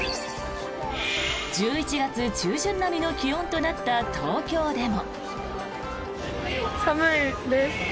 １１月中旬並みの気温となった東京でも。